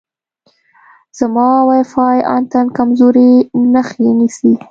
زما وای فای انتن کمزورې نښې نیسي.